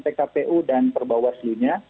pkpu dan perbawaslunya